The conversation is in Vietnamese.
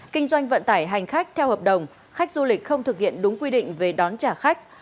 kinh doanh vận tải hành khách theo hợp đồng khách du lịch không thực hiện đúng quy định về đón trả khách